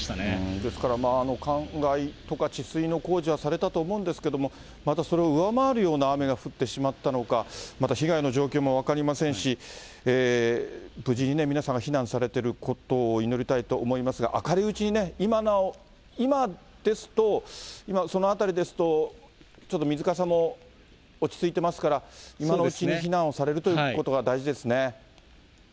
ですから、干害とか治水の工事はされたと思うんですけど、またそれを上回るような雨が降ってしまったのか、また被害の状況も分かりませんし、無事に皆さんが避難されてることを祈りたいと思いますが、明るいうちにね、今ですと、今、その辺りですと、ちょっと水かさも落ち着いてますから、今のうちに避難をされるということが大事ですね。